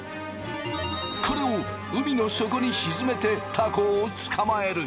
これを海の底に沈めてたこを捕まえる。